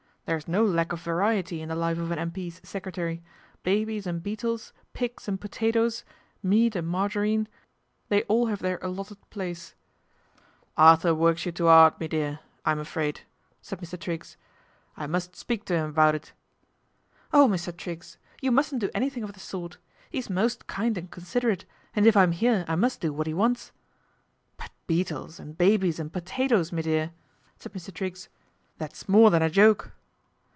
' There is no lack of variety in the life of an M.P.'s secretary : babies and beetles, pigs and potatoes, meat and margarine, they all have their allotted place." 205 206 PATRICIA BRENT, SPINSTER " Arthur works you too 'ard, me dear, I'm afraid," said Mr. Triggs. " I must speak to 'im about it." " Oh, Mr. Triggs ! You mustn't do anything of the sort. He's most kind and considerate, and if I am here I must do what he wants." " But beetles and babies and potatoes, me dear," said Mr. Triggs. " That's more than a joke.'